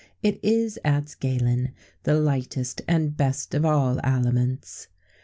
[XVII 1] It is, adds Galen, the lightest and best of all aliments.